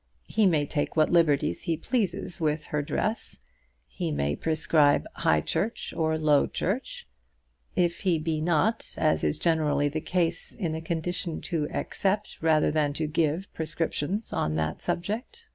He may take what liberties he pleases with her dress. He may prescribe high church or low church, if he be not, as is generally the case, in a condition to accept, rather than to give, prescriptions on that subject.